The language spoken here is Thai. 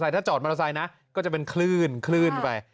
แต่ถ้าจอดมอเตอร์ไซค์นะก็จะเป็นคลื่นไป